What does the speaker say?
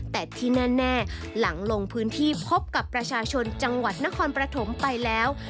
แต่ที่แน่หลังลงพื้นที่พบกับประชาชนจังหวัดนครปฐมไปแล้ว